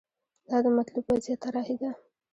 دا د مطلوب وضعیت طراحي ده.